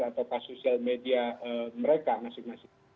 atau pada sosial media mereka masing masing